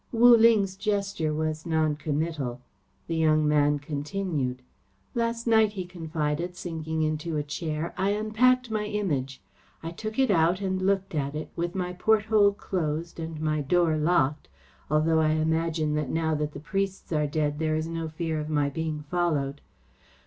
Wu Ling's gesture was noncommittal. The young man continued. "Last night," he confided, sinking into a chair, "I unpacked my Image. I took it out and looked at it, with my porthole closed and my door locked, although I imagine that now that the priests are dead there is no fear of my being followed.